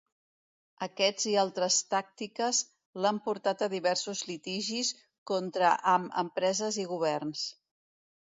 Aquests i altres tàctiques l'han portat a diversos litigis contra amb empreses i governs.